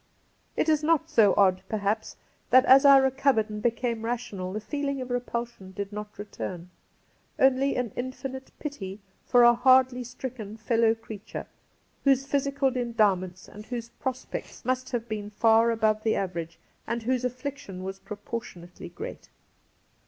It is not so odd, perhaps, that as I recovered and became rational the feehng of repulsion did not return, only an infinite pity for a hardly stricken fellow creature whose physical endowments and whose prospects must have been far above the average, and whose afflic tion was proportionately great.